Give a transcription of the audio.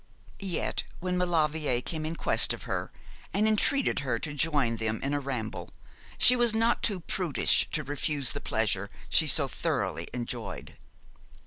Yet when Maulevrier came in quest of her, and entreated her to join them in a ramble, she was not too prudish to refuse the pleasure she so thoroughly enjoyed.